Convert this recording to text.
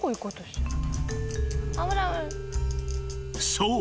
［そう。